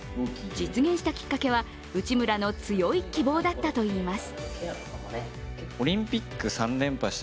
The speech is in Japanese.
実現したきっかけは、内村の強い希望だったといいます。